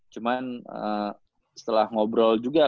cuman setelah ngobrol juga